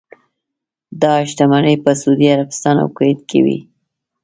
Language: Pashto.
دا شتمنۍ په سعودي عربستان او کویټ کې وې.